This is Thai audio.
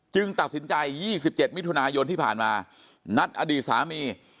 จึงตัดสินใจยี่สิบเจ็ดมิถุนายนที่ผ่านมานัดอดีตสามี